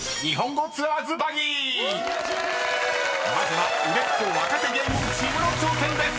［まずは売れっ子若手芸人チームの挑戦です］